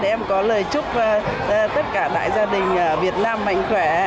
em có lời chúc tất cả đại gia đình việt nam mạnh khỏe